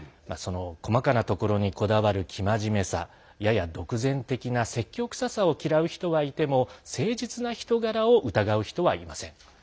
細かなところにこだわる生真面目さやや独善的な説教くささを嫌う人はいても誠実な人柄を疑う人はいません。